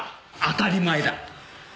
当たり前だ。